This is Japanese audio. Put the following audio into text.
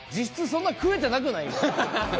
そんな食えてなくない？